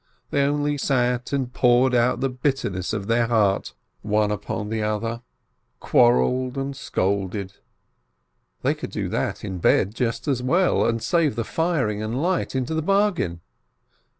They only sat and poured out the bitterness in their heart one upon the other. 379 quarrelled, and scolded. They could do that in bed just as well, and save firing and light into the bargain.